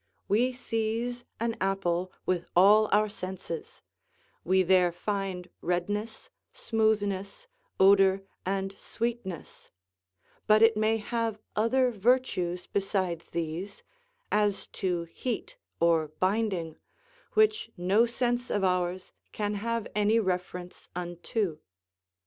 We seize an apple with all our senses; we there find redness, smoothness, odour, and sweetness; but it may have other virtues besides these, as to heat or binding, which no sense of ours can have any reference unto.